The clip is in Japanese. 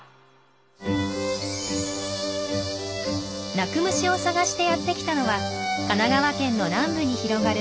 鳴く虫を探してやって来たのは神奈川県の南部に広がる